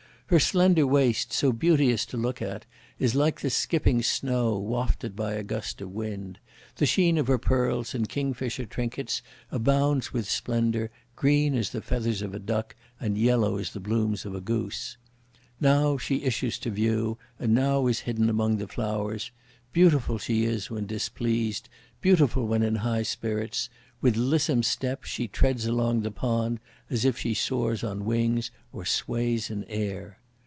Her slender waist, so beauteous to look at, is like the skipping snow wafted by a gust of wind; the sheen of her pearls and kingfisher trinkets abounds with splendour, green as the feathers of a duck, and yellow as the plumes of a goose; Now she issues to view, and now is hidden among the flowers; beautiful she is when displeased, beautiful when in high spirits; with lissome step, she treads along the pond, as if she soars on wings or sways in the air.